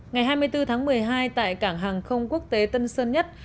ngày hai mươi bốn tháng một mươi hai tại cảng hàng không quốc tế tân sơn nhất